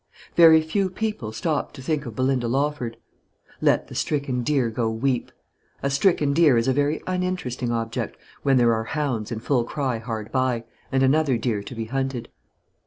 Very few people stopped to think of Belinda Lawford. "Let the stricken deer go weep." A stricken deer is a very uninteresting object when there are hounds in full cry hard by, and another deer to be hunted.